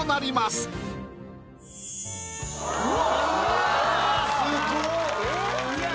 すごい！